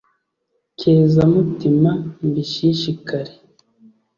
cyezamutima mbishishikare